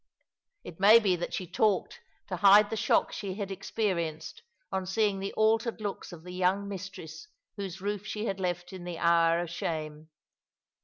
It may be that she talked to hide the shock she had experienced on seeing the altered looks of the young mistress whose roof she had left in the hour of shame.